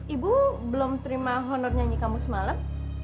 ibu belum terima honor nyanyi kamu semalam